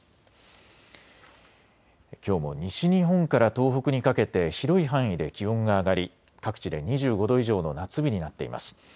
きょうも西日本から東北にかけて広い範囲で気温が上がり各地で２５度以上の夏日になっています。